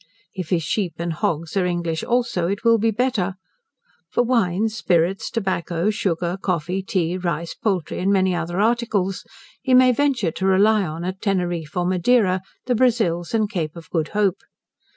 If his sheep and hogs are English also, it will be better. For wines, spirits, tobacco, sugar, coffee, tea, rice, poultry, and many other articles, he may venture to rely on at Teneriffe or Madeira, the Brazils and Cape of Good Hope.